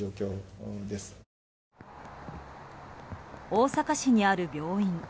大阪市にある病院。